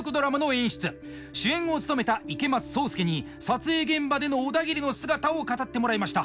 主演を務めた池松壮亮に撮影現場でのオダギリの姿を語ってもらいました。